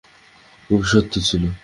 খুব সত্যি ছিল।